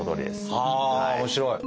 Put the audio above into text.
はあ面白い！